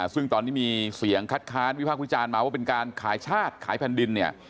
ซึ่งตอนนี้มีเสียงคัดค้านวิพากษ์วิจารณ์มาว่าเป็นการขายชาติขายแผ่นดินเนี่ย